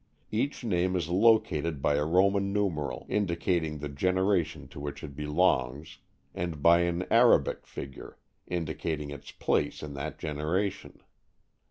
Each name is located by a Roman numeral, indicating the generation to which it belongs, and by an Arabic figure, indicating its place in that generation.